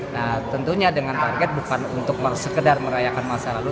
nah tentunya dengan target bukan untuk sekedar merayakan masa lalu